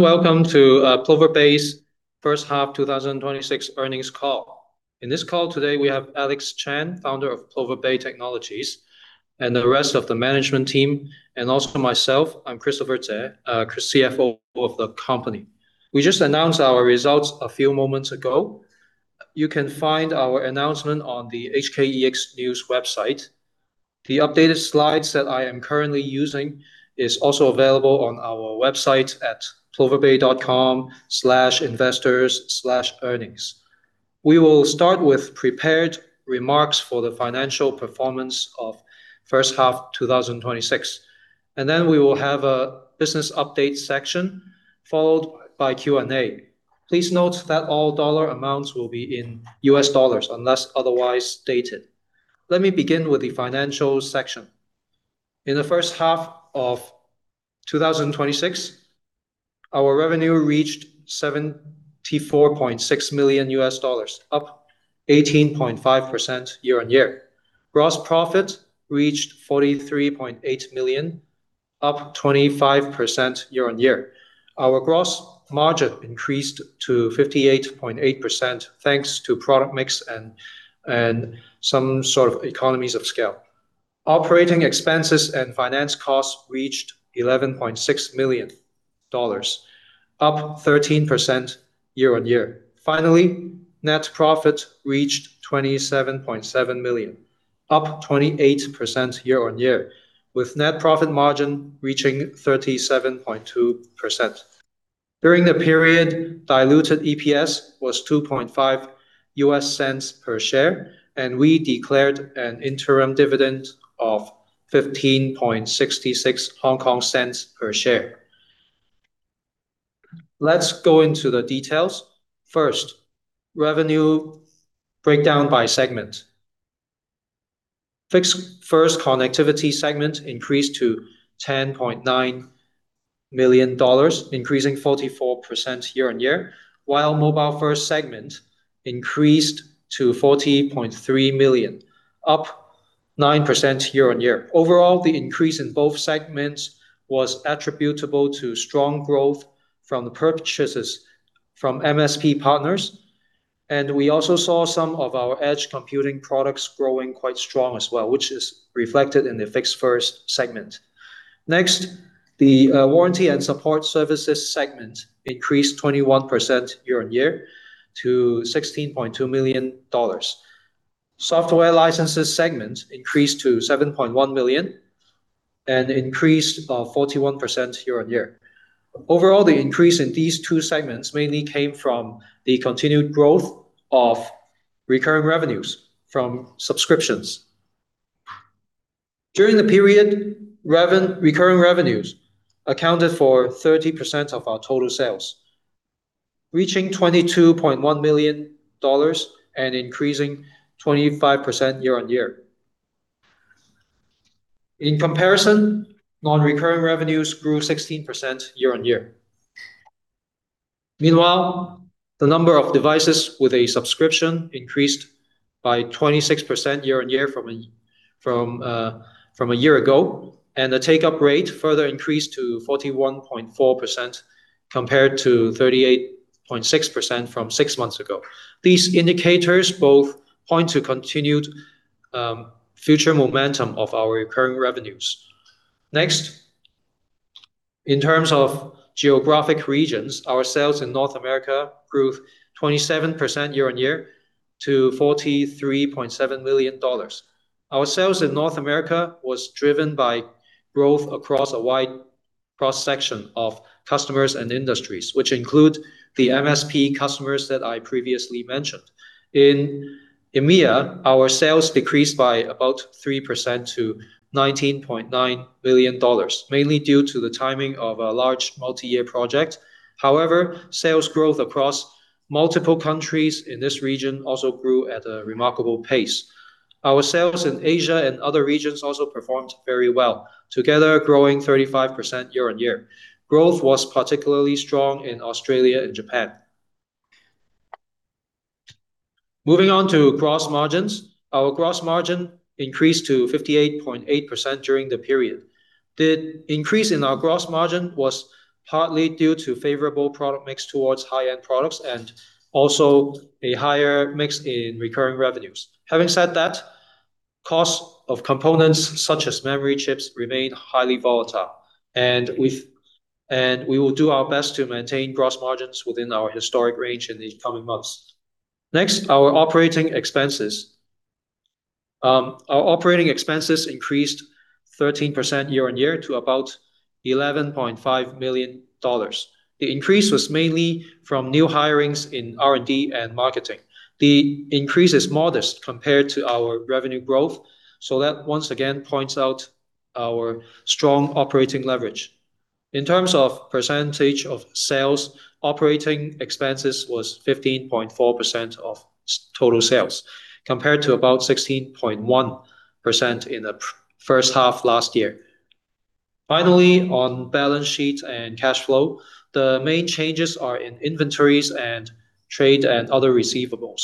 Welcome to Plover Bay's first half 2026 earnings call. In this call today, we have Alex Chan, founder of Plover Bay Technologies, and the rest of the management team, and also myself, I'm Christopher Tse, CFO of the company. We just announced our results a few moments ago. You can find our announcement on the HKEX News website. The updated slides that I am currently using is also available on our website at ploverbay.com/investors/earnings. We will start with prepared remarks for the financial performance of first half 2026. Then we will have a business update section followed by Q&A. Please note that all dollar amounts will be in U.S. dollars unless otherwise stated. Let me begin with the financial section. In the first half of 2026, our revenue reached $74.6 million, up 18.5% year-on-year. Gross profit reached $43.8 million, up 25% year-on-year. Our gross margin increased to 58.8% thanks to product mix and some sort of economies of scale. Operating expenses and finance costs reached $11.6 million, up 13% year-on-year. Finally, net profit reached $27.7 million, up 28% year-on-year, with net profit margin reaching 37.2%. During the period, diluted EPS was $0.025 per share. We declared an interim dividend of 0.1566 per share. Let's go into the details. First, revenue breakdown by segment. Fixed First Connectivity segment increased to $10.9 million, increasing 44% year-on-year, while Mobile First Connectivity segment increased to $40.3 million, up 9% year-on-year. Overall, the increase in both segments was attributable to strong growth from the purchases from MSP partners. We also saw some of our edge computing products growing quite strong as well, which is reflected in the Fixed First segment. Next, the Warranty and Support Services segment increased 21% year-on-year to $16.2 million. Software Licenses segment increased to $7.1 million and increased 41% year-on-year. Overall, the increase in these two segments mainly came from the continued growth of recurring revenues from subscriptions. During the period, recurring revenues accounted for 30% of our total sales, reaching $22.1 million and increasing 25% year-on-year. In comparison, non-recurring revenues grew 16% year-on-year. Meanwhile, the number of devices with a subscription increased by 26% year-on-year from a year ago. The take-up rate further increased to 41.4% compared to 38.6% from six months ago. These indicators both point to continued future momentum of our recurring revenues. Next, in terms of geographic regions, our sales in North America grew 27% year-on-year to $43.7 million. Our sales in North America was driven by growth across a wide cross-section of customers and industries, which include the MSP customers that I previously mentioned. In EMEA, our sales decreased by about 3% to $19.9 million, mainly due to the timing of a large multi-year project. However, sales growth across multiple countries in this region also grew at a remarkable pace. Our sales in Asia and other regions also performed very well, together growing 35% year-on-year. Growth was particularly strong in Australia and Japan. Moving on to gross margins. Our gross margin increased to 58.8% during the period. The increase in our gross margin was partly due to favorable product mix towards high-end products and also a higher mix in recurring revenues. Having said that, cost of components such as memory chips remained highly volatile, and we will do our best to maintain gross margins within our historic range in the coming months. Next, our operating expenses. Our operating expenses increased 13% year-on-year to about $11.5 million. The increase was mainly from new hirings in R&D and marketing. The increase is modest compared to our revenue growth, so that once again points out our strong operating leverage. In terms of percentage of sales, operating expenses was 15.4% of total sales, compared to about 16.1% in the first half last year. Finally, on balance sheet and cash flow, the main changes are in inventories and trade and other receivables.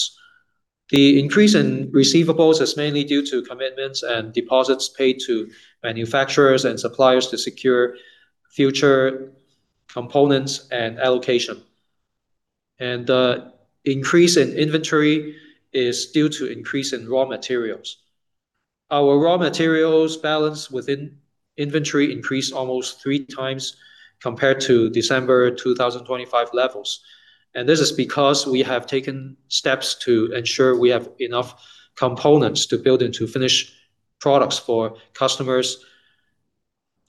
The increase in receivables is mainly due to commitments and deposits paid to manufacturers and suppliers to secure future components and allocation. The increase in inventory is due to increase in raw materials. Our raw materials balance within inventory increased almost 3x compared to December 2025 levels. This is because we have taken steps to ensure we have enough components to build into finished products for customers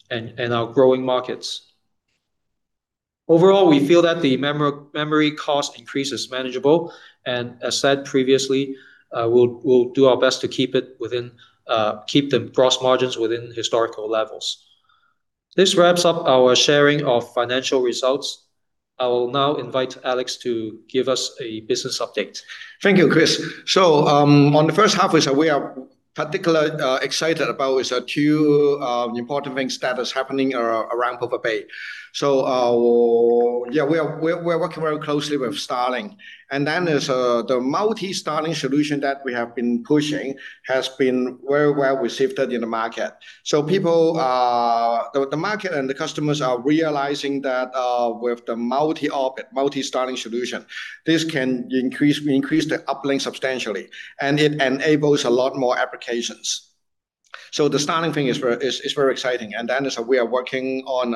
and our growing markets. Overall, we feel that the memory cost increase is manageable and, as said previously, we will do our best to keep the gross margins within historical levels. This wraps up our sharing of financial results. I will now invite Alex to give us a business update. Thank you, Chris. On the first half, we are particularly excited about two important things that is happening around Plover Bay. We are working very closely with Starlink. There is the multi-Starlink solution that we have been pushing has been very well received in the market. The market and the customers are realizing that with the multi-orbit, multi-Starlink solution, this can increase the uplink substantially, and it enables a lot more applications. The Starlink thing is very exciting. As well, we are working on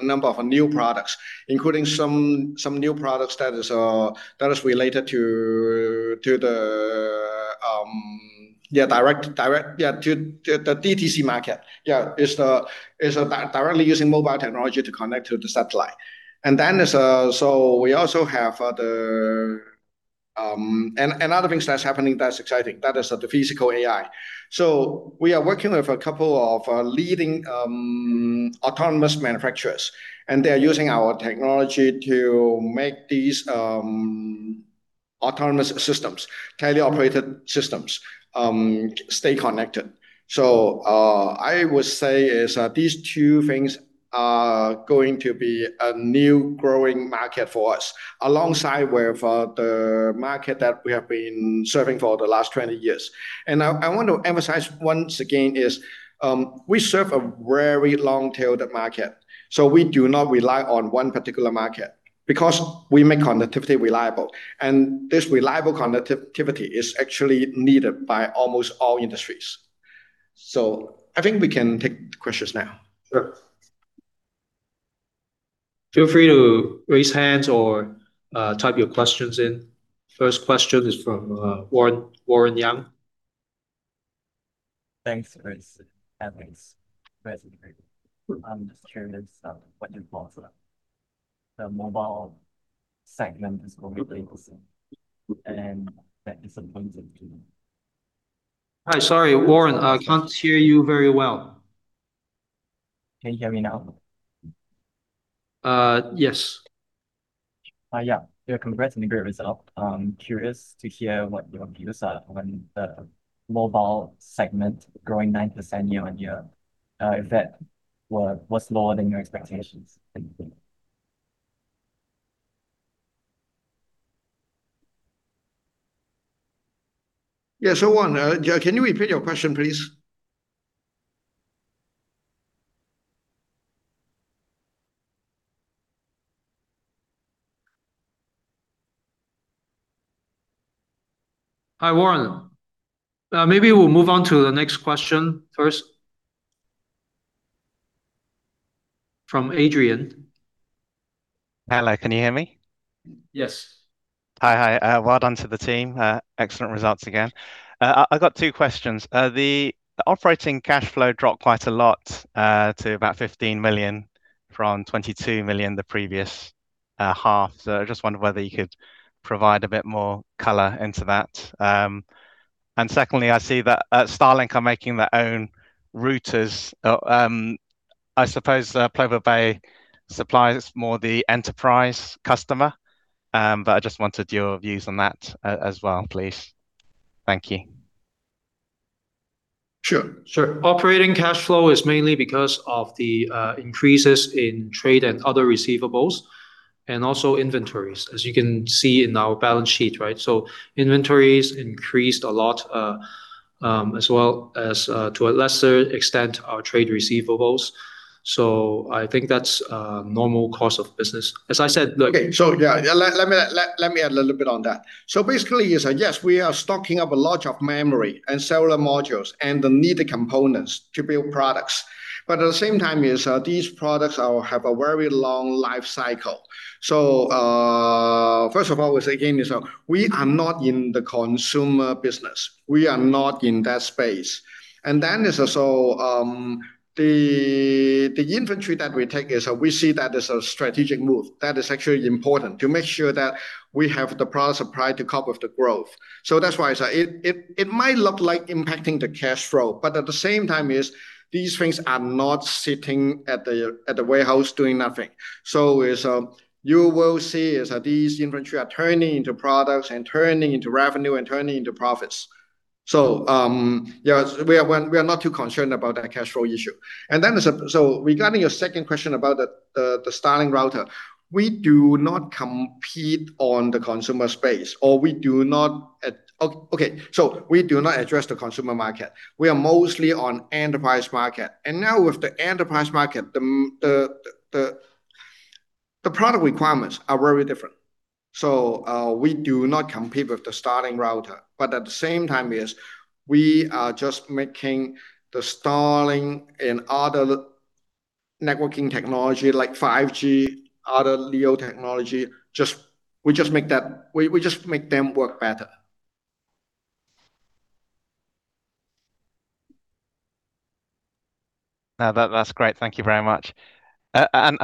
a number of new products, including some new products that is related to the DTC market. It is directly using mobile technology to connect to the satellite. We also have other things that is happening that is exciting. That is the physical AI. We are working with a couple of leading autonomous manufacturers, and they are using our technology to make these autonomous systems, teleoperated systems, stay connected. I would say is these two things are going to be a new growing market for us, alongside with the market that we have been serving for the last 20 years. I want to emphasize once again is, we serve a very long-tailed market. We do not rely on one particular market because we make connectivity reliable, and this reliable connectivity is actually needed by almost all industries. I think we can take questions now. Sure. Feel free to raise hands or type your questions in. First question is from Warren Yang. Thanks, Chris, Alex. I'm just curious of what you call the mobile segment is going to and that disappointed you. Hi. Sorry, Warren, I can't hear you very well. Can you hear me now? Yes. Yeah. Congrats on the great result. I'm curious to hear what your views are on the mobile segment growing 9% year-on-year. If that was lower than your expectations. Thank you. Yeah. Warren, can you repeat your question, please? Hi, Warren. Maybe we'll move on to the next question first. From Adrian. Hello, can you hear me? Yes. Hi. Well done to the team. Excellent results again. I've got two questions. The operating cash flow dropped quite a lot, to about $15 million from $22 million the previous half. I just wondered whether you could provide a bit more color into that. Secondly, I see that Starlink are making their own routers. I suppose Plover Bay supplies more the enterprise customer, but I just wanted your views on that as well, please. Thank you. Sure. Sure. Operating cash flow is mainly because of the increases in trade and other receivables and also inventories, as you can see in our balance sheet, right? Inventories increased a lot, as well as, to a lesser extent, our trade receivables. I think that's a normal course of business. Okay. Yeah, let me add a little bit on that. Basically, yes, we are stocking up a lot of memory and cellular modules and the needed components to build products. At the same time is, these products have a very long life cycle. First of all, again is, we are not in the consumer business. We are not in that space. Then is also, the inventory that we take is we see that as a strategic move. That is actually important to make sure that we have the product supply to cope with the growth. That's why I say it might look like impacting the cash flow, but at the same time is, these things are not sitting at the warehouse doing nothing. You will see is that these inventory are turning into products and turning into revenue and turning into profits. Yeah, we are not too concerned about that cash flow issue. Then, regarding your second question about the Starlink router, we do not compete on the consumer space. We do not address the consumer market. We are mostly on enterprise market. Now with the enterprise market, the product requirements are very different. We do not compete with the Starlink router, but at the same time, we are just making the Starlink and other networking technology like 5G, other LEO technology, we just make them work better. No, that's great. Thank you very much.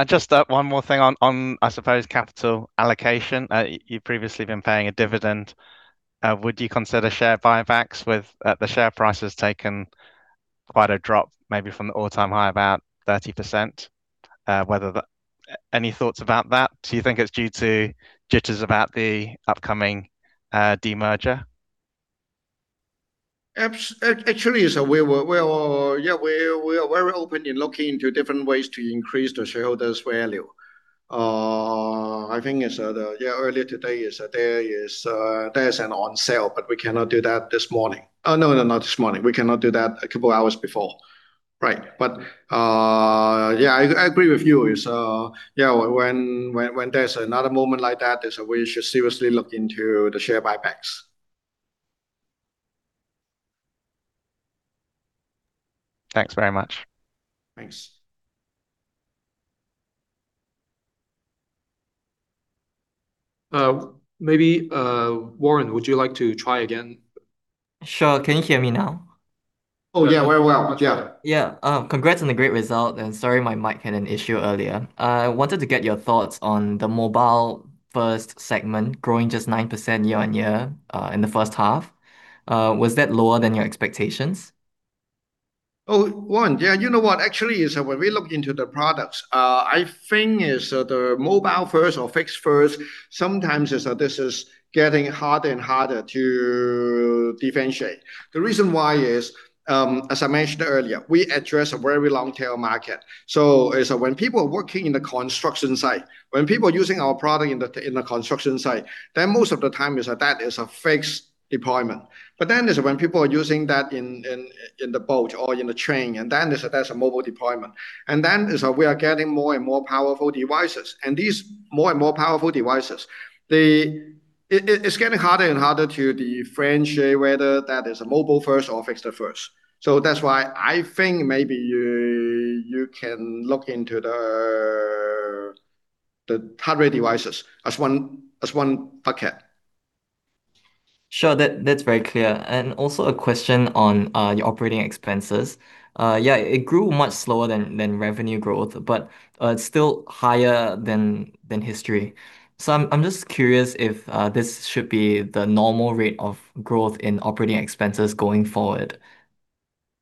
Just one more thing on, I suppose, capital allocation. You've previously been paying a dividend. Would you consider share buybacks with the share price has taken quite a drop maybe from the all-time high of about 30%? Any thoughts about that? Do you think it's due to jitters about the upcoming de-merger? Actually, we are very open in looking into different ways to increase the shareholders' value. I think, yeah, earlier today, there's an on sale. We cannot do that this morning. Oh, no, not this morning. We cannot do that a couple of hours before. Right. Yeah, I agree with you. When there's another moment like that, we should seriously look into the share buybacks. Thanks very much. Thanks. Maybe, Warren, would you like to try again? Sure. Can you hear me now? Oh, yeah. Very well. Yeah. Yeah. Congrats on the great result, sorry my mic had an issue earlier. I wanted to get your thoughts on the Mobile First segment growing just 9% year-over-year, in the first half. Was that lower than your expectations? Oh, Warren. Yeah, you know what? Actually, when we look into the products, I think is the Mobile First or Fixed First, sometimes this is getting harder and harder to differentiate. The reason why is, as I mentioned earlier, we address a very long tail market. When people are working in the construction site, when people are using our product in the construction site, most of the time, that is a fixed deployment. Is when people are using that in the boat or in the train, that's a mobile deployment. As we are getting more and more powerful devices, and these more and more powerful devices, it's getting harder and harder to differentiate whether that is a Mobile First or Fixed First. That's why I think maybe you can look into the hardware devices as one bucket. Sure. That's very clear. Also a question on your operating expenses. It grew much slower than revenue growth, but it's still higher than history. I'm just curious if this should be the normal rate of growth in operating expenses going forward.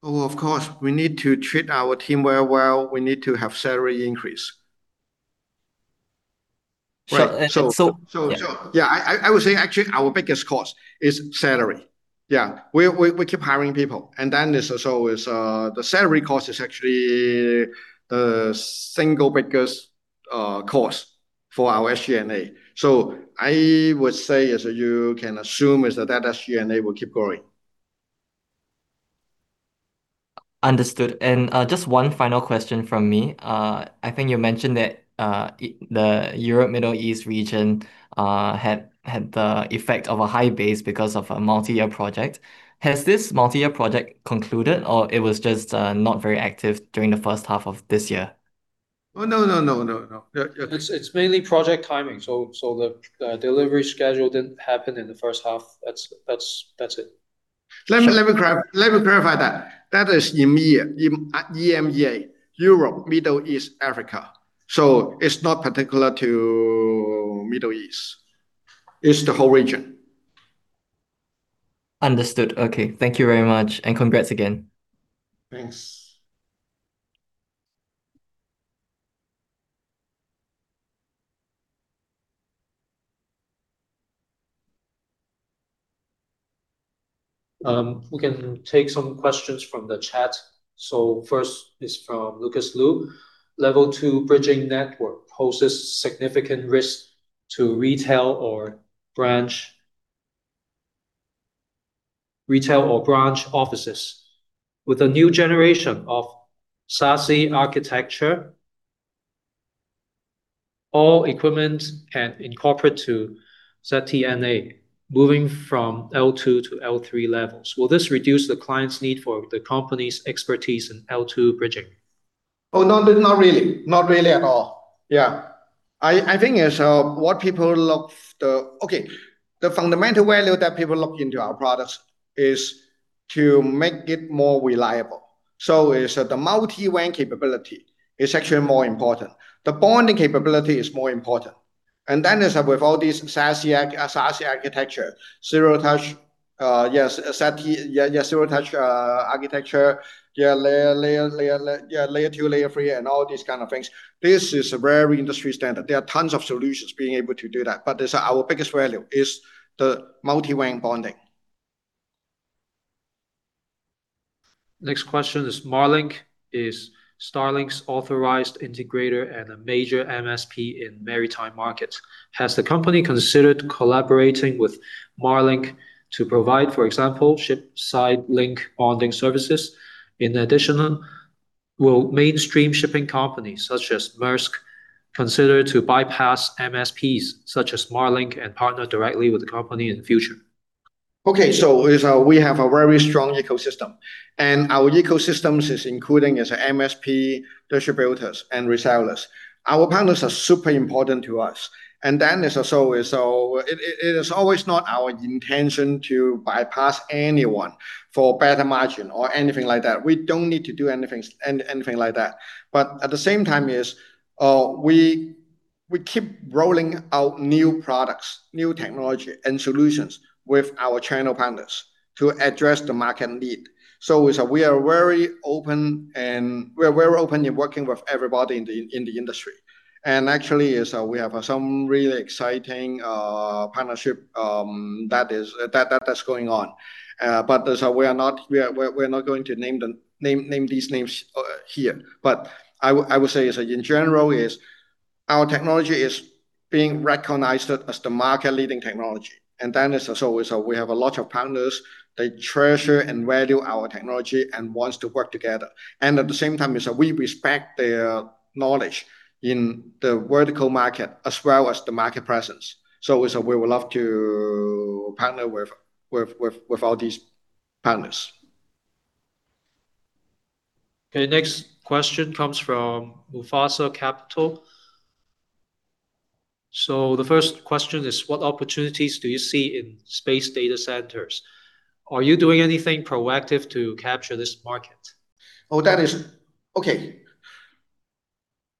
Of course. We need to treat our team very well. We need to have salary increase. Sure. I would say actually our biggest cost is salary. We keep hiring people. The salary cost is actually the single biggest cost for our SG&A. I would say is you can assume is that SG&A will keep growing. Understood. Just one final question from me. I think you mentioned that the Europe, Middle East region had the effect of a high base because of a multi-year project. Has this multi-year project concluded, or it was just not very active during the first half of this year? Oh, no, no. Yeah. It's mainly project timing. The delivery schedule didn't happen in the first half. That's it. Let me clarify that. That is EMEA, Europe, Middle East, Africa, it's not particular to Middle East. It's the whole region. Understood. Okay. Thank you very much, congrats again. Thanks. We can take some questions from the chat. First is from Lucas Liu. Level two bridging network poses significant risk to retail or branch offices. With the new generation of SASE architecture, all equipment can incorporate to SD-WAN moving from L2 to L3 levels. Will this reduce the client's need for the company's expertise in L2 bridging? Oh, no. Not really. Not really at all. I think is what people look. The fundamental value that people look into our products is to make it more reliable. It's the multi-WAN capability is actually more important. The bonding capability is more important. Is that with all these SASE architecture, zero touch architecture. Layer 2, Layer 3, and all these kind of things. This is very industry standard. There are tons of solutions being able to do that. Our biggest value is the multi-WAN bonding. Next question is Marlink is Starlink's authorized integrator and a major MSP in maritime markets. Has the company considered collaborating with Marlink to provide, for example, ship side link bonding services? In addition, will mainstream shipping companies, such as Maersk, consider to bypass MSPs such as Marlink and partner directly with the company in the future? We have a very strong ecosystem, and our ecosystems is including as a MSP, distributors, and resellers. Our partners are super important to us. It is always not our intention to bypass anyone for better margin or anything like that. We don't need to do anything like that. At the same time is, we keep rolling out new products, new technology and solutions with our channel partners to address the market need. We are very open in working with everybody in the industry. Actually, we have some really exciting partnership that's going on. We're not going to name these names here. I would say is, in general is, our technology is being recognized as the market leading technology. As always, we have a lot of partners, they treasure and value our technology and wants to work together. At the same time, we respect their knowledge in the vertical market as well as the market presence. We would love to partner with all these partners. Okay. Next question comes from [Musasa Capital]. The first question is, what opportunities do you see in space data centers? Are you doing anything proactive to capture this market? Okay.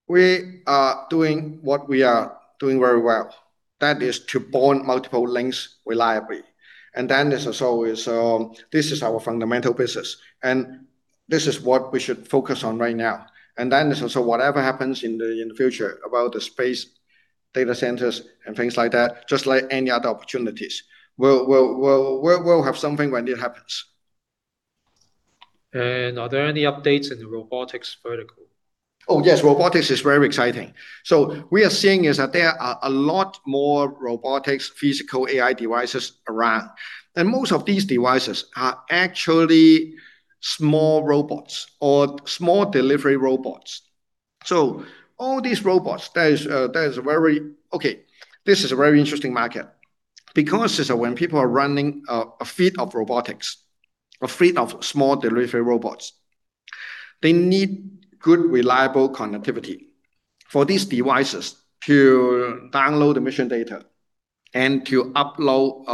We are doing what we are doing very well. That is to bond multiple links reliably. This is our fundamental business, and this is what we should focus on right now. Whatever happens in the future about the space data centers and things like that, just like any other opportunities, we'll have something when it happens. Are there any updates in the robotics vertical? Oh, yes. Robotics is very exciting. We are seeing is that there are a lot more robotics physical AI devices around, and most of these devices are actually small robots or small delivery robots. All these robots, this is a very interesting market. Because when people are running a fleet of robotics, a fleet of small delivery robots, they need good, reliable connectivity for these devices to download the mission data and to upload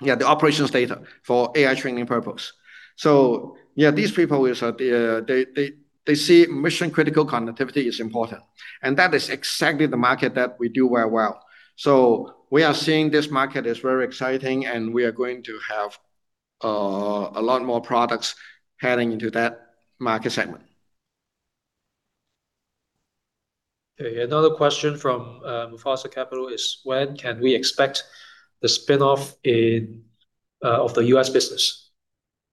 the operations data for AI training purpose. Yeah, these people, they see mission critical connectivity is important, and that is exactly the market that we do very well. We are seeing this market as very exciting, and we are going to have a lot more products heading into that market segment. Okay. Another question from [Musasa Capital] is, when can we expect the spinoff of the U.S. business?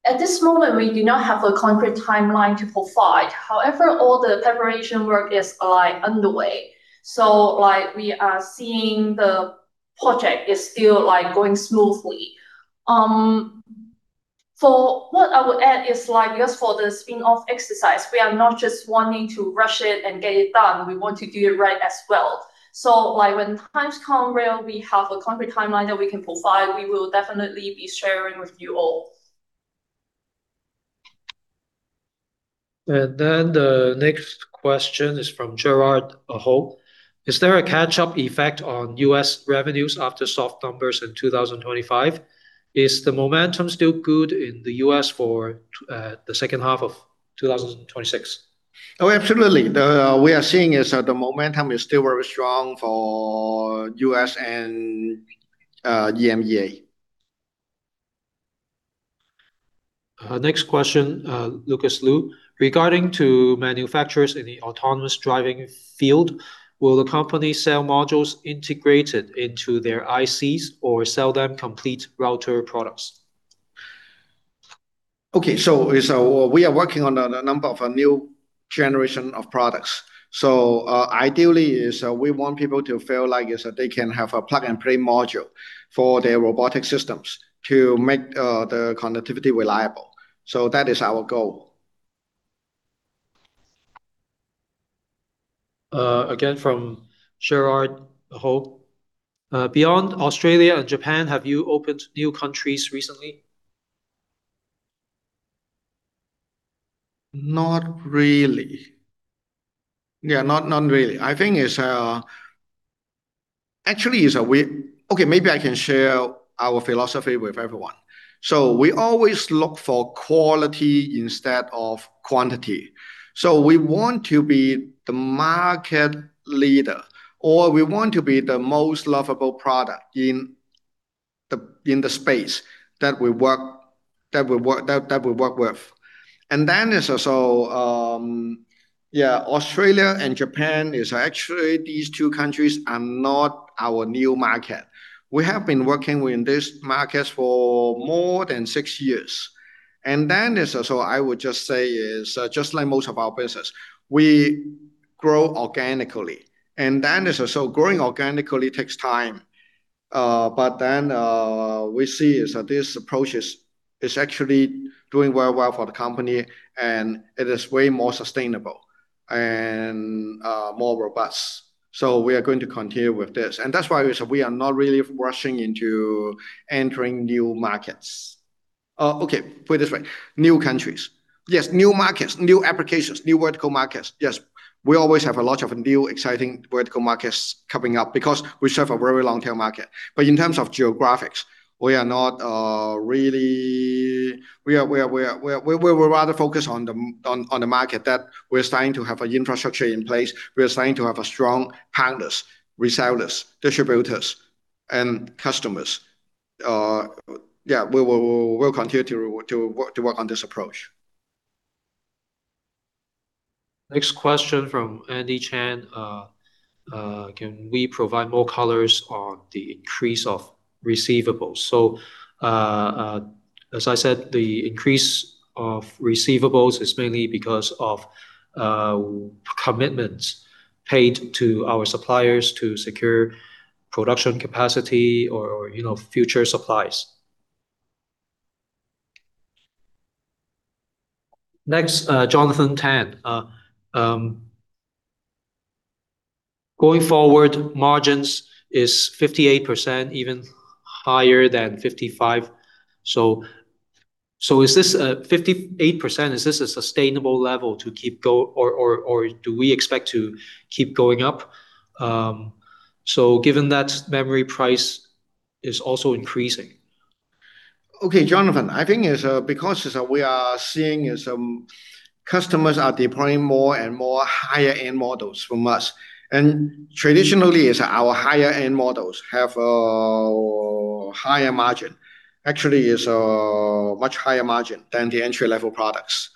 At this moment, we do not have a concrete timeline to provide. However, all the preparation work is underway. We are seeing the project is still going smoothly. What I would add is, just for the spinoff exercise, we are not just wanting to rush it and get it done. We want to do it right as well. When times come where we have a concrete timeline that we can provide, we will definitely be sharing with you all. The next question is from Gerard Ho. Is there a catch-up effect on U.S. revenues after soft numbers in 2025? Is the momentum still good in the U.S. for the second half of 2026? Oh, absolutely. We are seeing is that the momentum is still very strong for U.S. and EMEA. Next question, Lucas Liu. Regarding to manufacturers in the autonomous driving field, will the company sell modules integrated into their ICs or sell them complete router products? Okay. We are working on a number of new generation of products. Ideally is, we want people to feel like is that they can have a plug-and-play module for their robotic systems to make the connectivity reliable. That is our goal. Again from Gerard Ho. Beyond Australia and Japan, have you opened new countries recently? Not really. Yeah, not really. Actually, maybe I can share our philosophy with everyone. We always look for quality instead of quantity. We want to be the market leader, or we want to be the most lovable product in the space that we work with. Australia and Japan, actually these two countries are not our new market. We have been working in these markets for more than six years. I would just say is, just like most of our business, we grow organically. Growing organically takes time. We see is that this approach is actually doing very well for the company, and it is way more sustainable and more robust. We are going to continue with this, and that's why we said we are not really rushing into entering new markets. Put it this way. New countries. Yes, new markets, new applications, new vertical markets. Yes. We always have a lot of new exciting vertical markets coming up because we serve a very long-tail market. In terms of geographics, we are rather focused on the market that we're starting to have an infrastructure in place. We're starting to have strong partners, resellers, distributors, and customers. Yeah. We'll continue to work on this approach. Next question from Andy Chan. Can we provide more colors on the increase of receivables? As I said, the increase of receivables is mainly because of commitments paid to our suppliers to secure production capacity or future supplies. Next, Jonathan Tan. Going forward, margins is 58%, even higher than 55%. 58%, is this a sustainable level to keep going, or do we expect to keep going up? Given that memory price is also increasing. Jonathan, I think it's because we are seeing is customers are deploying more and more higher-end models from us, traditionally, it's our higher-end models have a higher margin. Actually, it's a much higher margin than the entry-level products.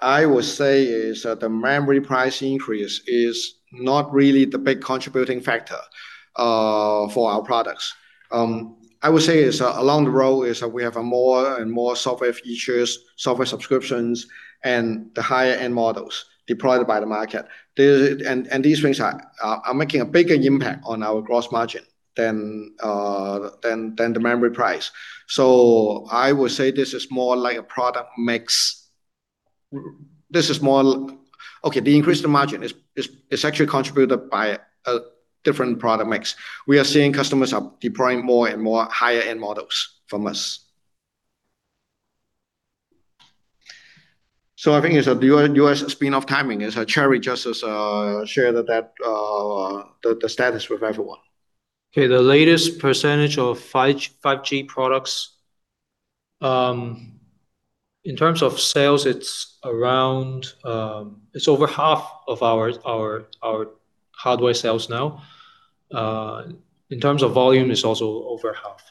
I would say is that the memory price increase is not really the big contributing factor for our products. I would say is along the road is we have more and more software features, software subscriptions, and the higher-end models deployed by the market. These things are making a bigger impact on our gross margin than the memory price. I would say this is more like a product mix. The increase in the margin is actually contributed by a different product mix. We are seeing customers are deploying more and more higher-end models from us. I think it's your spin-off timing. Cherry just shared the status with everyone. The latest percentage of 5G products. In terms of sales, it's over half of our hardware sales now. In terms of volume, it's also over half.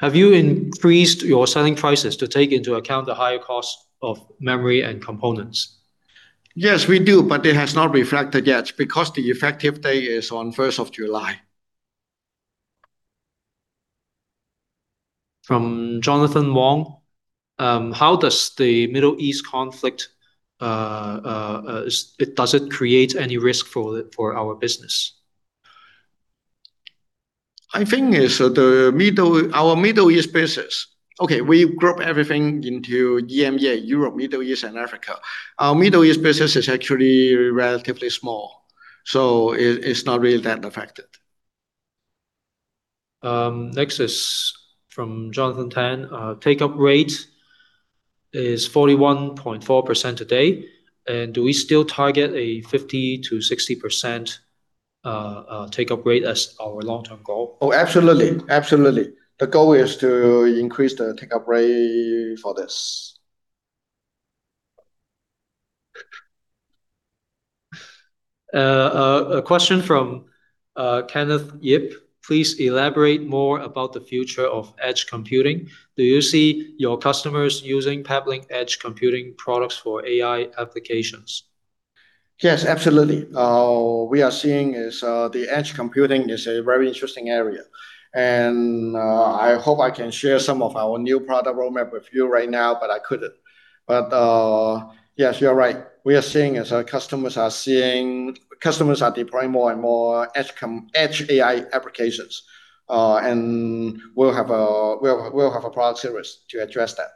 Have you increased your selling prices to take into account the higher cost of memory and components? Yes, we do. It has not reflected yet because the effective date is on 1st of July. From Jonathan Wong. Does the Middle East conflict create any risk for our business? I think it's our Middle East business. Okay, we group everything into EMEA, Europe, Middle East, and Africa. Our Middle East business is actually relatively small, so it's not really that affected. Next is from Jonathan Tan. Take-up rate is 41.4% today. Do we still target a 50%-60% take-up rate as our long-term goal? Absolutely. The goal is to increase the take-up rate for this. A question from Kenneth Yip. Please elaborate more about the future of edge computing. Do you see your customers using Peplink edge computing products for AI applications? Yes, absolutely. We are seeing is the edge computing is a very interesting area. I hope I can share some of our new product roadmap with you right now, but I couldn't. Yes, you're right. We are seeing is our customers are deploying more and more edge AI applications. We'll have a product series to address that.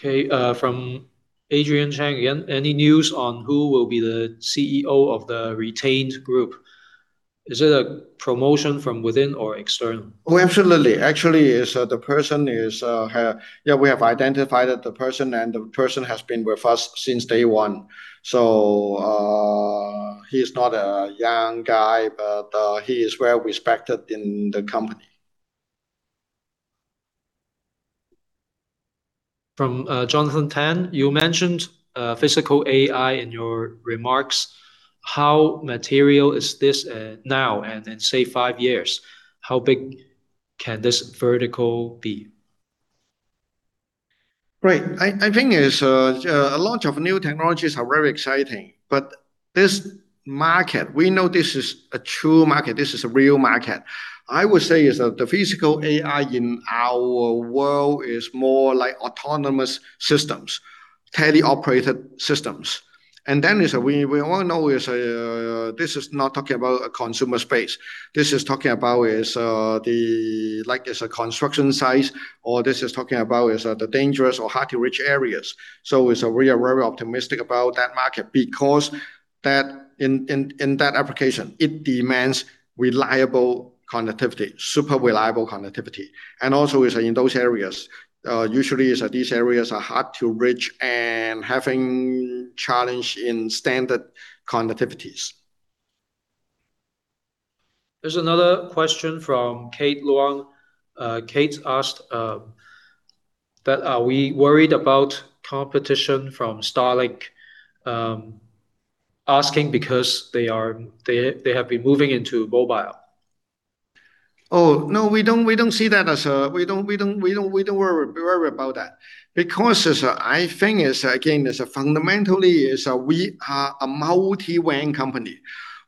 Okay. From Adrian Cheng again. Any news on who will be the CEO of the retained group? Is it a promotion from within or external? Oh, absolutely. Actually, we have identified the person, and the person has been with us since day one. He's not a young guy, but he is well respected in the company. From Jonathan Tan. You mentioned physical AI in your remarks. How material is this now and in, say, five years? How big can this vertical be? Right. I think a lot of new technologies are very exciting. This market, we know this is a true market. This is a real market. I would say is that the physical AI in our world is more like autonomous systems, tele-operated systems. We all know this is not talking about a consumer space. This is talking about a construction site, or this is talking about the dangerous or hard-to-reach areas. We are very optimistic about that market because in that application, it demands reliable connectivity, super reliable connectivity. In those areas, usually these areas are hard to reach and having challenge in standard connectivities. There's another question from Kate Luong. Kate asked that are we worried about competition from Starlink? Asking because they have been moving into mobile. Oh, no. We don't worry about that because I think, again, fundamentally is we are a multi-WAN company.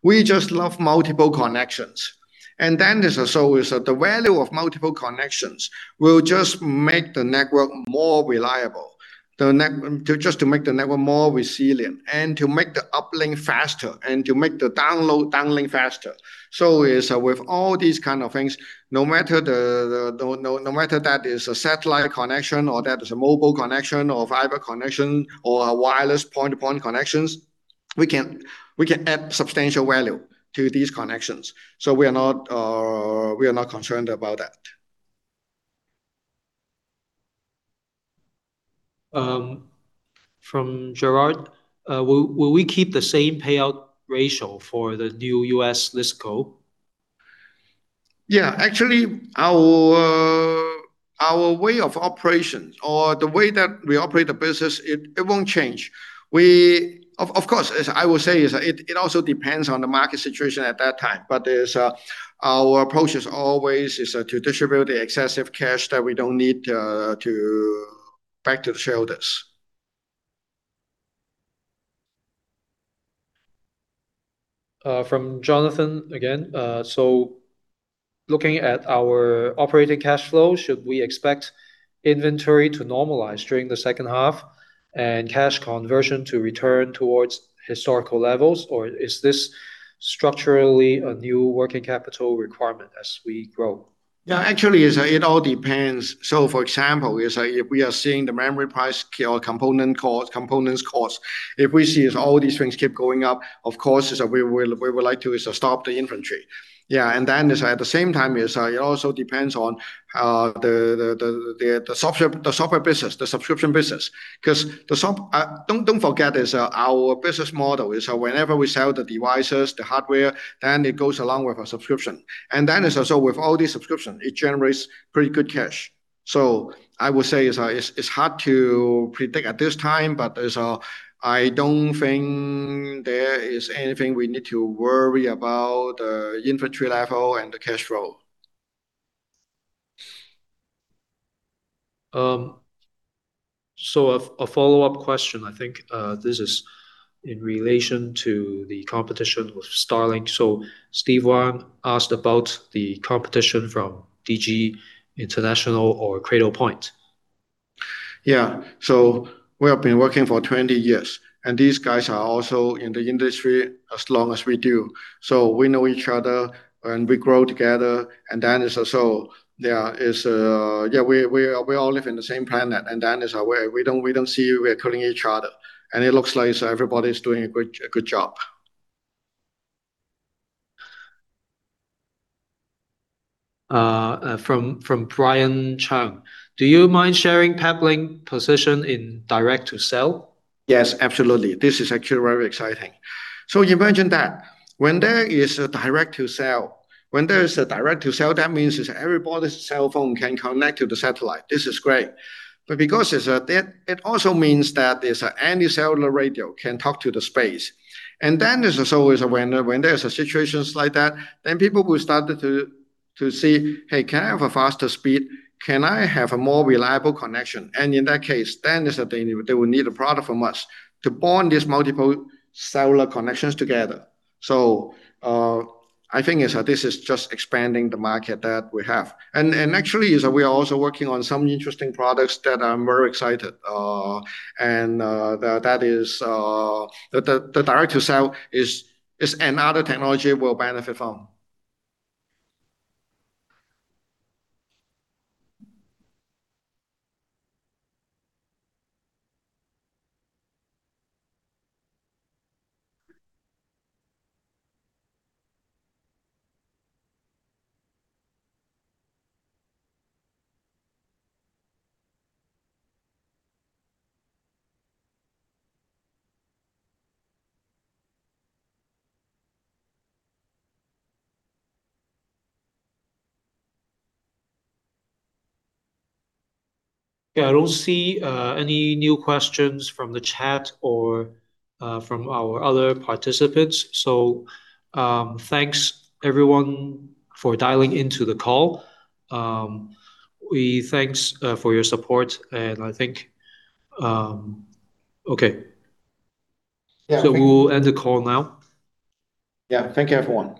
We just love multiple connections. The value of multiple connections will just make the network more reliable, just to make the network more resilient and to make the uplink faster and to make the downlink faster. With all these kind of things, no matter that is a satellite connection or that is a mobile connection or fiber connection or a wireless point-to-point connections, we can add substantial value to these connections. We are not concerned about that. From Gerard. Will we keep the same payout ratio for the new U.S. list co? Actually, our way of operations or the way that we operate the business, it won't change. Of course, I will say is that it also depends on the market situation at that time. Our approach is always is to distribute the excessive cash that we don't need back to the shareholders. From Jonathan again. Looking at our operating cash flow, should we expect inventory to normalize during the second half and cash conversion to return towards historical levels? Or is this structurally a new working capital requirement as we grow? Actually, it all depends. For example, if we are seeing the memory price or components cost, if we see all these things keep going up, of course, we would like to stop the inventory. Yeah. At the same time, it also depends on the software business, the subscription business. Don't forget our business model is whenever we sell the devices, the hardware, then it goes along with a subscription. With all these subscription, it generates pretty good cash. I would say is it's hard to predict at this time, but I don't think there is anything we need to worry about the inventory level and the cash flow. A follow-up question. I think this is in relation to the competition with Starlink. Steve Wang asked about the competition from Digi International or Cradlepoint. We have been working for 20 years, these guys are also in the industry as long as we do. We know each other, we grow together. We all live in the same planet. We don't see we are killing each other. It looks like everybody's doing a good job. From Brian Cheung. Do you mind sharing Peplink position in direct-to-cell? Yes, absolutely. This is actually very exciting. Imagine that when there is a direct-to-cell, that means is everybody's cell phone can connect to the satellite. This is great. Because it also means that any cellular radio can talk to the space. When there's situations like that, people will start to say, 'Hey, can I have a faster speed? Can I have a more reliable connection?' In that case, they will need a product from us to bond these multiple cellular connections together. I think this is just expanding the market that we have. Actually, we are also working on some interesting products that I'm very excited. The direct-to-cell is another technology we'll benefit from. I don't see any new questions from the chat or from our other participants. Thanks everyone for dialing into the call. We thanks for your support I think Okay. Yeah. we'll end the call now. Yeah. Thank you, everyone.